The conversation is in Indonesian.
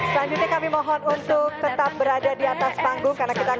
selanjutnya kami mohon untuk tetap berada di atas panggung